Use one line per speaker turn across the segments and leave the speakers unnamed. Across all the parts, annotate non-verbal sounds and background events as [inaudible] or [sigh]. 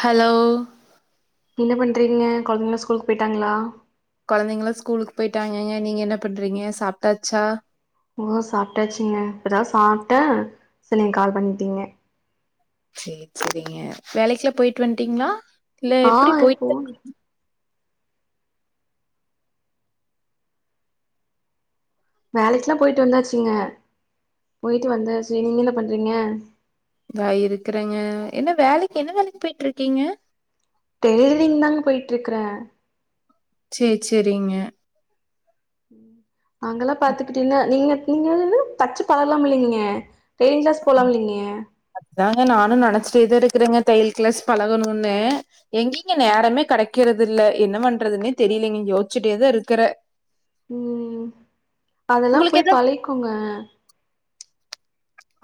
hello
என்ன பண்றீங்க கொழந்தைங்கல ஸ்கூக்கு போயிட்டாங்களா
கொழந்தைங்களா ஸ்கூலுக்கு போயிட்டாங்கங்க நீங்க என்ன பண்றீங்க சாப்ட்டாச்சா
ஓ சாப்ட்டாச்சுங்க இப்பதா சாப்ட்ட சரி நீங்க கால் பண்ணிட்டீங்க
சேரி சேரிங்க வேலைக்குல்லா போயிட்டு வந்ட்டீங்களா இல்ல
ஆ
எப்படி போயிட்டு
போனு வேலைக்குல்லா போயிட்டு வந்தாச்சுங்க போயிட்டு வந்தாச்சு நீங்க என்ன பண்றீங்க
வே இருக்கறங்க என்ன வேலைக்கு என்ன வேலைக்கு போய்ட்டு இருக்கீங்க
டெய்லரிங் தாங் போயிட்ருக்கற
சேரி சேரிங்க
நாங்கெல்லா பாத்துகிட்டீன்னா நீங்க நீங்க வந்து தச்சு பலகலாமில்லைங்க
அதுதாங்க நானு நெனைச்சிட்டேதா இருக்கிறங்க தையல் கிளாஸ் பழகணும்னு எங்கிங்க நேரமே கடைக்கிறதுல்ல என்ன பண்றதுன்னே தெரியலீங்க யோசிச்சிட்டேதா இருக்கற
ம் அதெல்லா
உங்களுக்கு
போய்
எதா
பழகிகோங்க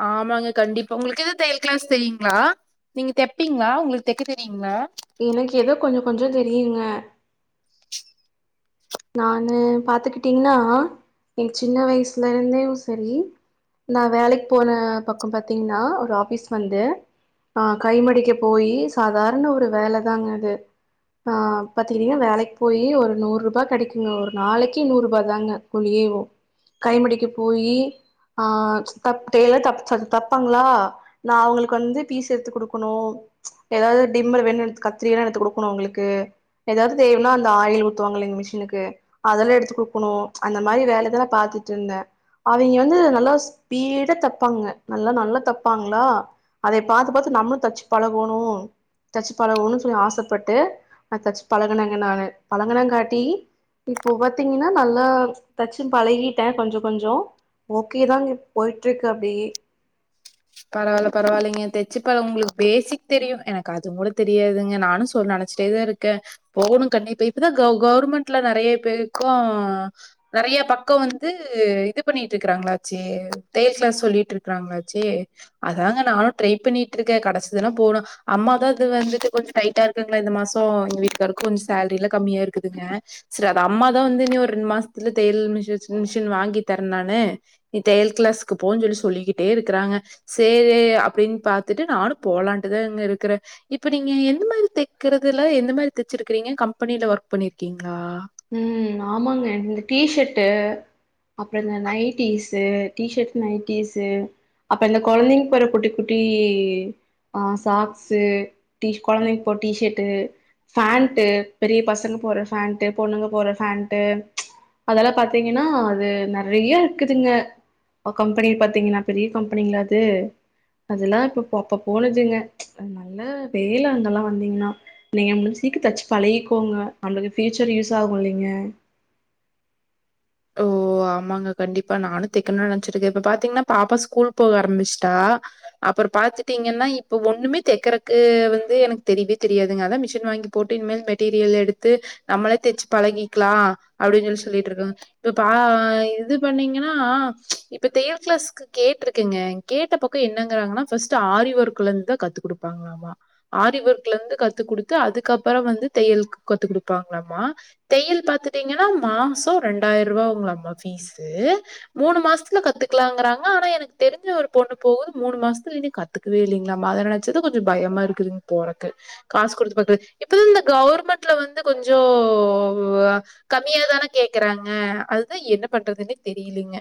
ஆமாங்க கண்டிப்பா உங்களுக்கு எது தையல் கிளாஸ் தெரியுங்களா நீங்க தெப்பீங்களா உங்களுக்கு தெக்க தெரியீங்களா
எனக்கு எதோ கொஞ்ச கொஞ்ச தெரியுங்க நானு பாத்துகிட்டீங்னா என் சின்ன வயசுல இருந்தே சரி நான் வேலைக்கு போன பக்கம் பாத்தீங்ன்னா ஒரு ஆபீஸ் வந்து அ கைமடிக்க போய் சாதாரண ஒரு வேலைதாங்க அது அ பாத்திட்டீங்ன்னா வேலைக்கு போய் ஒரு நூறுபா கடைக்குங்க ஒரு நாளைக்கு நூறுபா தாங்க குழியவோ கைமடிக்க போய் அ தப் டெய்லர் தப் சாரி தப்பாங்களா நான் அவங்களுக்கு வந்து பீஸ் எடுத்து குடுக்கணும் எதாவது டிம்மர் வேனும்னா எடுத்து கத்திரி வேணும்னா எடுத்து குடுக்கணும் அவங்களுக்கு எதாவது தேவனா அந்த ஆயில் ஊத்துவாங்கள மிஷினு னுக்கு அதெல்லா எடுத்து குடுக்கணும் அந்த மாதிரி வேலைதா நா பாத்துட்டு இருந்த அவிங்க வந்து நல்லா ஸ்பீடா தப்பாங்க நல்லா நல்லா தப்பாங்களா அதை பாத்து பாத்து நம்மளும் தச்சு பழகணும் தச்சு பழகணும் சொல்லி ஆசைப்பட்டு அத தச்சு பழகனங்க நானு பழகனங் காட்டி இப்போ பாத்தீங்னா நல்லா தச்சு பழகிட்ட கொஞ்ச கொஞ்சோ ஓகேதாங்க போயிட்ருக்கு அப்டியே
பரவாயில்ல பரவாயில்லைங்க தெச்சுப்பழ உங்களுக்கு பேசிக் தெரியும் எனக்கு அது கூட தெரியாதுங்க நானும் சொல்ல நினைச்சிட்டேதா இருக்க போகணும் கண்டிப்பா இப்பதான் க கவுர்மெண்ட்ல நெறைய பேருக்கும் நெறைய பக்கம் வந்து இது பண்ணிட்டு இருக்கிறாங்களாச்சே தையல் கிளாஸ் சொல்லிட்டு இருக்கிறாங்களாச்சே அதாங்க நானும் ட்ரை பண்ணிட்டு இருக்க கடச்சுதுனா போனும் அம்மாதா இது வந்துட்டு கொஞ்ச டைட்டா இருக்கங்களா இந்த மாசம் எங்க வீட்டுக்காருக்கும் கொஞ்ச சேலரி எல்லாம் கம்மியா இருக்குதுங்க சரி அது அம்மாதா வந்து இன்னும் ஒரு ரெண்டு மாசத்துல தையல் மிஷ மிஷின் வாங்கி தர நானு நீ தையல் கிளாஸ்க்கு போ சொல்லி சொல்லிகிட்டே இருக்கிறாங்க சேரி அப்படின் பாத்துட்டு நானு போலான்ட்டுதாங்க இருக்கிற இப்ப நீங்க எந்த மாதிரி தெக்கறதுல எந்த மாதிரி தெச்சிருக்கிறீங்க கம்பெனில ஒர்க் பண்ணிருகீங்களா
ம் ஆமாங்க இந்த டீஷர்ட்டு அப்புற இந்த நைட்டீஸ்ஸு டீஷர்ட் நைட்டீஸ்ஸு அப்புற இந்த கொழந்தைங்க போற குட்டி குட்டி அ சாக்ஸ்ஸு டீஸ் கொழந்தைங்க போற டீஷர்ட்டு பேண்ட்டு பெரிய பசங்க போற பேண்ட் பொண்ணுங்க போட்ற ஃபேண்ட்டு அதெல்லா பாத்தீங்கனா அது நெறையா இருக்குதுங்க கம்பெனி பாத்தீங்கன்னா பெரிய கம்பெனிங்களா அது அதுலாம் அப்ப போனதுங்க நல்ல வேலை அங்கெல்லா வந்தீங்ன்னா நீங்க முடிஞ் சீக்க தச்சு பழிக்கோங்க [unintelligible] ஃப்யுச்சர் யூஸ் ஆகும் இல்லைங்க
ஓ ஆமாங்க கண்டிப்பா நானு தெக்கணும்னு நெனைச்சிட்ருக்க இப்ப பாத்தீங்கன்னா பாப்பா ஸ்கூல் போக ஆரம்பிச்சுட்டா அப்புறோ பாத்துட்டீங்கன்னா இப்ப ஒண்ணுமே தெக்கறக்கு வந்து எனக்கு தெரியவே தெரியாதுங்க அதான் மிஷின் வாங்கி போட்டு இனிமேல் மெட்டீரியல் எடுத்து நம்மளே தச்சு பழகிக்கலா அப்படின்னு சொல்லி சொல்லிட்டு இருக்கோங்க ப்ப பா அ இது பண்ணீங்கன்னா இப்ப தெய்யல் கிளாஸ்க்கு கேட்ருக்கேங்க இங் கேட்ட பக்கோ என்னங்கறாங்கனா ஃபஸ்ட்டு ஆரி ஒர்க்லர்ந்தா கத்து குடுப்பாங்ளாமா ஆரி ஒர்க்லர்ந்து கத்து குடுத்து அதுக்கப்பறோ வந்து தெய்யல்க்கு கத்து குடுப்பாங்ளாமா தெய்யல் பாத்துட்டீங்கனா மாசோ ரெண் டாய்ரூவா ஆவுங்களாமா ஃபீஸ்ஸு மூனு மாஸ்த்துல கத்துக்கலாங்றாங்க ஆனா எனக்கு தெரிஞ்ச ஒரு பொண்ணு போகுது மூனு மாசத்துல இன்னி கத்துக்கவே இல்லிங்லாமா அத நெனச்சாதா கொஞ்ச பயமா இருக்குதுங் போறக்கு காஸ் குடுத்து பாத்து இப்ப தா இந்த கவுர்மண்ட்ல வந்து கொஞ்சோ ஆ கம்மியா தான கேக்கறாங் அ அது தா என்ன பண்றதுன்னே தெரியிலீங்க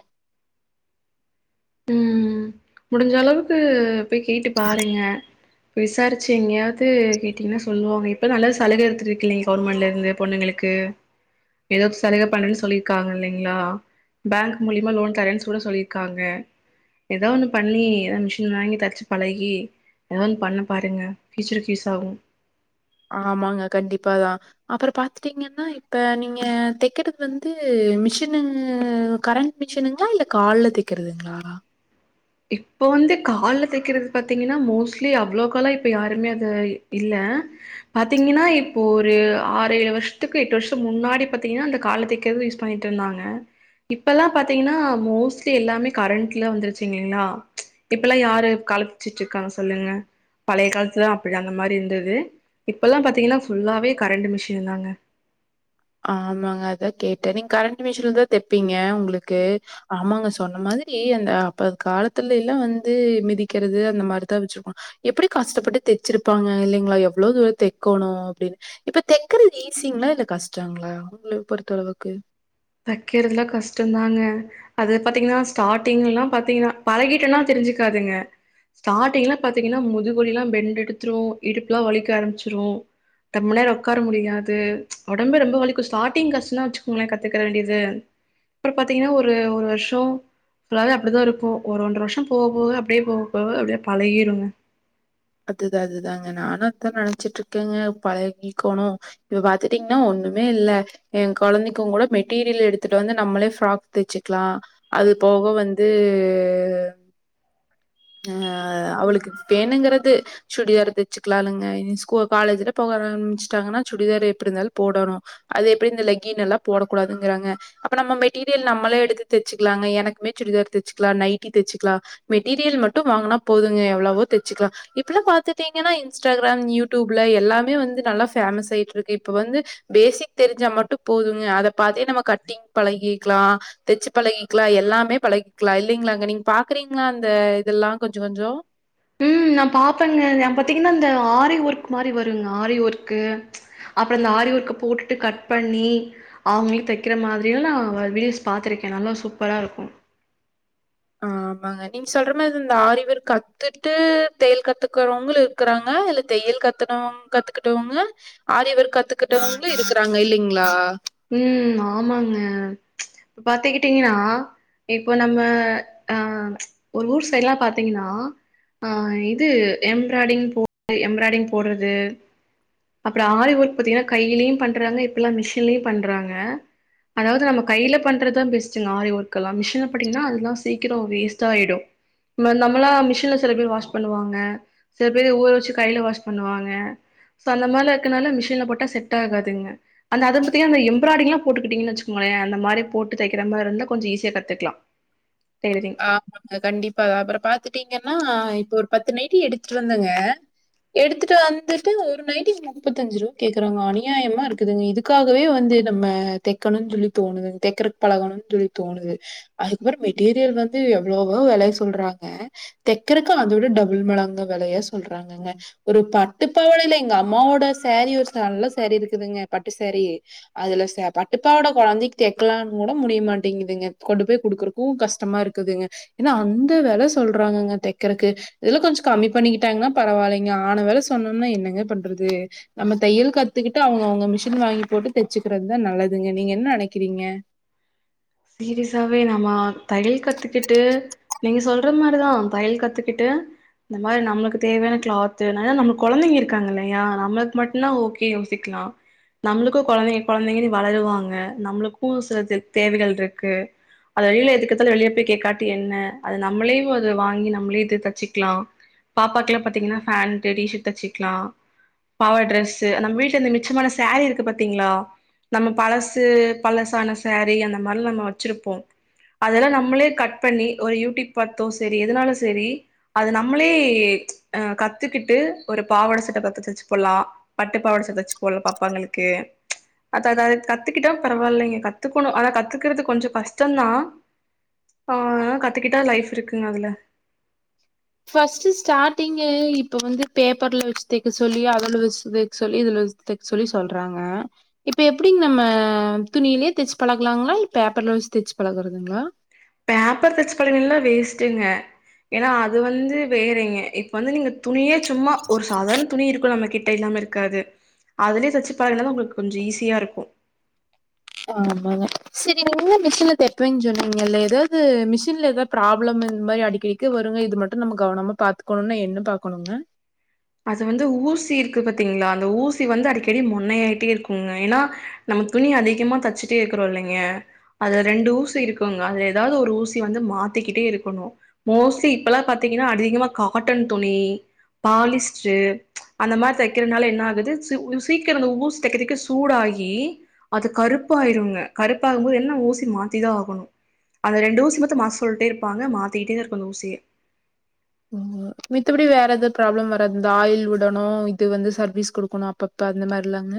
முடிஞ்சளவுக்கு போய் கேட்டு பாருங்க விசாரிச்சு எங்கயாவ்து கேட்டீங்னா சொல்வாங்க இப்ப தா நல்ல சலுக எடுத்துட்ருக்கில்லீங் கவுர்மெண்ட்லருந்து பொண்ணுங்களுக்கு எதோ சலுக பண்ணனுன் சொல்லிருக்காங்க இல்லைங்களா பேங்க் மூலியமா லோன் தரேன் கூட சொல்லிருக்காங்க எதா ஒன்னு பண்ணி எதா மிஷின் வாங்கி தச்சு பழகி எதாது ஒன் பண்ணு பாருங்க ஃப்யூச்சருக்கு யூஸ் ஆகு
ஆமாங்க கண்டிப்பாதா அப்பறோ பாத்துட்டீங்கன்னா இப்ப நீங்க தெக்கறது வந்து மிஷினு கரண்ட் மிஷினுங்ளா இல்ல கால்ல தெக்கறதுங்ளா
இப்ப வந்து கால்ல தெக்கறது பாத்தீங்கன்னா மோஸ்லி அவ்ளோக்கால்லா இப்ப யாருமே அது இ இல்ல பாத்தீங்கன்னா இப்போ ஒரு ஆறு ஏழு வர்ஷத்துக்கு எட்டு வர்ஷத்துக் முன்னாடி பாத்தீங்கன்னா அந்த கால்ல தெக்கறது யூஸ் பண்ணிட்ருந்தாங்க இப்பல்லா பாத்தீங்கன்னா மோஸ்லி எல்லாமே கரண்ட்ல வந்துருச்சு [unintelligible] இல்லீங்ளா இப்பல்லா யாரு கால்ல தச்சிட்ருக்காங்க சொல்லுங்க பழைய காலத்துல அப்டிதா அந்த மாரி இருந்துது இப்பல்லா பாத்தீங்கன்னா ஃபுல்லாவே கரண்டு மிஷினுந்தாங்க
ஆமாங்க அதா கேட்டே நீங் கரண்ட் மிஷின்ல தா தெப்பீங்க ஏ உங்களுக்கு ஆமாங்க சொன்ன மாதிரி அந்த அப்ப காலத்துலெல்லா வந்து மிதிக்கறது அந்த மாரி தா வெச்சிருப்பா எப்பிடி கஷ்டப்பட்டு தெச்சிருப்பாங்க இல்லீங்ளா எவ்ளோ தூரோ தெக்கோனு அப்டினு இப்ப தெக்கறது ஈஸிங்ளா இல்ல கஸ் ச்சாங்களா உங்கள பொறுத்தளவுக்கு
தெக்கறதுல்லா கஷ்டந்தாங்க அது பாத்தீங்கனா ஸ்டார்டிங் எல்லா பாத்தீங்கனா பழகிட்டன்னா தெரிஞ்சுக்காதுங்க ஸ்டார்ட்டிங்ல்லா பாத்தீங்கன்னா முதுகு வலில்லா பெண்டெடுத்துரு இடுப்புலா வலிக்க ஆரம்பிச்சிரு ரொம்ப நேரோ ஒக்கார முடியாது ஒடம்பே ரொம்ப வலிக்கு ஸ்டார்ட்டிங் கஷ்டந்தா வச்சுக்கோங்களே கத் கத்துக்க வேண்டியது அப்பற பாத்தீங்கன்னா ஒரு ஒரு வர்ஷோ புல்லாமே அப்டிதா இருக்கு ஒரு ஒன்ர வர்ஷோ போக போக அப்டியே போக போக அப்டியே பழகிருங்க
அது தா அதுதாங்க நானு அத்தா நெனச்சிட்ருக்கங்க பழகிக்கோனு இப்ப பாத்துட்டீங்ன்னா ஒன்னுமே இல்ல எ கொழந்தைக்குங்கூட மெட்டீரியல் எடுத்துட்டு வந்து நம்மளே ஃப்ராக் தெச்சிக்லா அது போக வந்து ஆ அவளுக்கு வேணுங்கற து சுடிதாரு தெச்சுக்கலாலுங்க இனி ஸ்கூல் காலேஜுனு போக ஆரம்மிச்சிட்டாங்கன்னா சுடிதாரு எப்டிருந்தாலு போடனு அது எப்டி இந்த லெக்கின் எல்லா போடக் கூடாதுங்கறாங்க அப்ப நம்ம மெட்டீரியல் நம்மளே எடுத்து தெச்சுக்கலாங்க எனக்குமே சுடிதார் தெச்சுக்கலா, நைட்டி தெச்சுக்கலா மெட்டீரியல் மட்டு வாங்குனா போதுங்க எவ்ளவோ தெச்சுக்கலா இப்பல்லா பாத்துட்டீங்கன்னா இன்ஸ்டாக்ராம் யூடியூப்ல எல்லாமே வந்து நல்லா ஃபேமஸ் ஆயிட்ருக்கு இப்ப வந்து பேசிக் தெரிஞ்சா மட்டு போதுங்க அத பாத்தே நம்ம கட்டிங் பழகிக்லா தெச்சு பழகிக்லா எல்லாமே பழகிக்லா இல்லைங்களாங்க நீங் பாக்கறீங்ளா அந்த இதெல்லா கொஞ்ச கொஞ்சோ
ம் நா பாப்பங்க ஏ பாத்தீங்கன்னா இந்த ஆரி ஒர்க் மாரி வருங் ஆரி ஒர்க்கு அப்றோ இந்த ஆரி ஒர்க்க போட்டுட்டு கட் பண்ணி அவங்ளே தெக்கற மாதிரியெல்லா அவங்களோட வீடியோஸ் பாத்துருக்கே நல்லா சூப்பரா இருக்கு
ஆ ஆமாங்க நீங் சொல்ற மாரி இந்த ஆரி வொர்க் கத்துட்டு தெய்யல் கத்துக்கறவங்களு இருக்கறாங்க இல்ல தெய்யல் கத்துனவங் கத்துக்கிட்டவங்க ஆரி வொர்க் கத்துக்கிட்டவங்களு இருக்கறாங்க இல்லிங்ளா
ம் ஆமாங்க இப்ப பாத்துக்கிட்டீங்னா இப்போ நம்ம அ ஒரு ஊர் சைட்லா பாத்தீங்ன்னா ஆ இது எம்ப்ராடிங் போ [inaudible] எம்ப்ராடிங் போட்றது அப்றோ ஆரி ஒர்க் பாத்தீங்கனா கையிலியு பண்றாங்க இப்பல்லா மிஷின்லயு பண்றாங்க அதாவ்து நம்ம கைல பண்ற தா பெஸ்ட்டுங்க ஆரி ஒர்க் எல்லா மிஷின்ல போட்டீங்கனா அதெல்லா சீக்கிரோ வேஸ்ட்டாயிடு ம நம்மல்லா மிஷின்ல சில பேர் வாஷ் பண்ணுவாங்க சில பேரு ஊற வெச்சி கைல வாஷ் பண்ணுவாங்க சோ நம்மளுக் அத்னால மிஷின்ல போட்டா செட் ஆகாதுங்க அத் நகந்து ஸியான எம்ப்ராடிங்லா போட்டுக்கிட்டீங்கன் வச்கோங்களே அந்த மாரி போட்டு தெக்கற மார்ருந்தா கொஞ்ச ஈசியா கத்துக்லா
ஆமாங்க கண்டிப்பா அப்பறோ பாத்துட்டீங்கன்னா இப்ப ஒரு பத்து நைட்டி எடுத்துட்டு வந்தங்க எடுத்துட்டு வந்துட்டு ஒரு நைட்டிக் முப்பத்தஞ்சு ரூவா கேக்கறாங்க அநியாயமா இருக்குதுங்க இதுக்காகவே வந்து நம்ம தெக்கனுஞ்சொல்லி தோணுதுங் தெக்கறக் பழகோனுஞ்சொல்லி தோணுது அதுக்கப்றோ மெட்டீரியல் வந் ந்து எவ்ளோவோ வெலய சொல்றாங்க தெக்கறக்கு அத விட டபுள் மளங்கா வெலையா சொல்றாங்கங்க ஒரு பட்டுப்பாவாடைல எங்க அம்மாவோட சேரீ ஒரு நல்ல சேரீ இருக்குதுங்க பட்டு சேரி அதுல ச பட்டுப்பாவாட கொழந்தைக் தெக்கலான் கூட முடிய மாட்டிங்குதுங்க கொண்டு போய் குடுக்கறக்கு கஷ்டமாரு க்குதுங்க எனா அந்த வெல சொல்றாங்கங்க தெக்றக்கு இதெல்லா கொஞ்சோ கம்மி பண்ணிக்கிட்டாங்ன்னா பரவாலைங்க ஆன வெல சொன்னம்னா என்னங்க பண்றது நம்ம தையல் கத்துக்கிட்டு அவுங்க அவுங்க மிஷின் வாங்கி போட்டு தெச்சுக்கிறதுதா நல்லதுங்க நீங்க என் நெனைக்கிறீங்க
சீரியஸாவே நம்மா தையல் கத்துக்கிட்டு நீங்க சொல்ற மாரிதா தையல் கத்துக்கிட்டு இந்த மாரி நம்மளுக்கு தேவையான கிளாத்து நம்ம கொலந்தைங்க இருக்காங்க இல்லையா நம்மளுக்கு மட்டு்னா ஓகே யோசிக்லா நம்மளுக்கு கொலந்தைங்க கொலந்தைங்க வளருவாங்க நம்மளுக்கு சிலத்தேவைகள் ட்ருக்கு அது வெளில எதுக்கெத்தாலு வெளிய போயி கேக்காட்டி என்ன அத நம்ளேவு அத வாங்கி நம்ளே இத தச்சிக்லா பாப்பாக்குலா பாத்திங்கனா ஃபேண்ட்டு டீ ஷட் தெச்சிக்லா பாவா ட்ரெஸ்ஸு நம் வீட்ல இந்த மிச்சமான சேரி இருக்குபத்திங்ளா நம்ம பலசு பலசான சேரி அந்த மார்ல் நம்ம வெச்சுருப்போ அதலா நம்மளே கட் பண்ணி ஒரு யூடிப் பாத்தோ செரி எதுனாலு செரி அது நம்மளே அ கத்துக்கிட்டு ஒரு பாவாட சட்ட பத்து தெச்சுபோல்லா பட்டு பாவாட ச தெச்சுபோல் பாப்பாங்களுக்கு அதா அதா அத கத்துகிட்டா பரவால்லைங்க கத்துக்கொணு அனா க த்துக்றது கொஞ்ச கஷ்டந்தா ஆ ஆனா கத்துக்கிட்டா லைஃப் இருக்குங்க அதுல
ஃபஸ்ட்டு ஸ்டாட்டிங்கே இப்ப வந்து பேப்பர்ல வெச்சு தெக்க சொல்லி அதுல வெச்சு தெக் சொல்லி இதுல வெக் தெக் சொல்லி சொல்றாங்க இப்ப எப்டிங் நம்ம துணிலியே தெச்சு பழகலாங்ளா இல் பேப்பர்ல வெச்சு தெச்சு பழகறதுங்ளா
பேப்பர் தெச்சு [unintelligible] வேஸ்ட்டுங்க ஏனா அது வந்து வேறங்க இப்ப வந்து நீங்க துணியே சும்மா ஒரு சாதாரண துணி இருக்கு நம்ம கிட்ட இல்லாம இருக்காது அதுலியே தெச்சு பழகனமா உங்குளுக்கு கொஞ்ச ஈஸியாருக்கு
ஆமாங்க செரி நீங்கதா மிஷின்ல தெப்பேன் சொல்றீங்கல்ல எதாது மிஷின்ல எதா ப்ராப்ளம்மு இந் மாரி அடிக்கடிக்கு வருங்க இது மட்டு நம்ம கவனமா பாத்துக்கோணுனா என்ன பாக்கோணுங்க
அது வந்து ஊசி இருக்கு பாத்தீங்ளா அந்த ஊசி வந்து அடிக்கடி மொன்னையாயிட்டே இருக்குங்க ஏனா நம்ம துணி அதிகமா தச்சுட்டேருக்றோ இல்லைங்க அது ரெண்டு ஊசி இருக்குங்க அது எதாவ்து ஒரு ஊசி வந்து மாத்திக்கிட்டே இருக்கணு மோஸ்லி இப்பல்லா பாத்தீங்கனா அதிகமா காட்டன் துணி பாலிஸ் ச்சு அந்த மாரி தக்கிறனால என்ன ஆகுது சி ஊசி சீக்கிறோ இந்த ஊசி தைக்றதுக்கு சூடாகி அது கருப்பாயிருங்க கருப்பாகும்போது என்ன ஊசி மாத்திதா ஆகணு அந்த ரெண்டு ஊசி மத்து மாத்த சொல்ட்டேருப்பாங்க மாத்திட்டே தா இருக்கனு அந்த ஊசிய
ஓகோ மித்தபடி வேற எது ப்ராப்ளம் வராத் இந்த ஆயில் விடணு இது வந்து சர்வீஸ் குடுக்கணு அப்பப்ப அந்த மாரில்லாங்க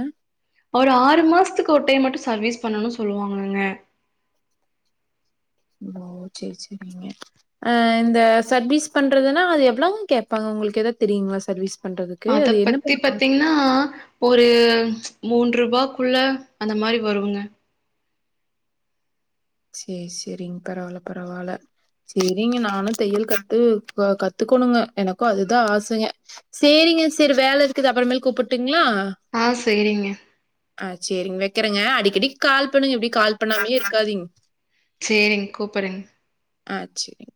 ஒரு ஆறு மாசத்துக் ஒரு டைம் மட்டு சர்வீஸ் பண்ணணு சொல்லுவாங் இல்லங்க
ஓ ச்சேர் ச்சேர்ரிங்க அஹ் இந்த சர்வீஸ் பண்றதுன்னா அது எவ்வளங்கேப்பாங்க உங்களுக்கு ஏதாது தெரியுங்ளா சர்வீஸ் பண்றதுக்கு
அத
அது என்ன
பத்தி
பண்ணுவாங்க
பத்தீங்ன்னா ஒரு மூன்ருபாக்குள்ள அந்த மாரி வருங்க
சேர் சேர்ரிங் பரவால்ல பரவால்ல ச்சேர்ரிங்க நானு தையல் கத்து கத்துக்கணுங்க எனக்கு அதுதா ஆசங்க சேரிங்க சேர் வேலருக்குது அப்பறமேல் கூப்புட்டுங்களா
ஆ சேரிங்க
சேரிங் வெக்கறங்க அடிக்கடிக் கால் பண்ணுங்க இப்டி கால் பண்ணாமயேருக்காதீங்
சேரிங்க கூப்பரங்
அ சேரி